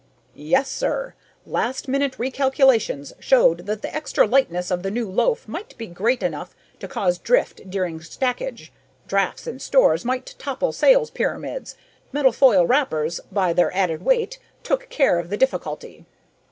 "Yes, sir. Last minute recalculations showed that the extra lightness of the new loaf might be great enough to cause drift during stackage. Drafts in stores might topple sales pyramids. Metal foil wrappers, by their added weight, took care of the difficulty."